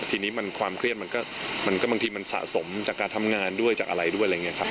ทีนี้มันความเครียดมันก็บางทีมันสะสมจากการทำงานด้วยจากอะไรด้วยอะไรอย่างนี้ครับ